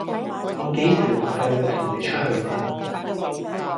我幾時話過要同你出去玩？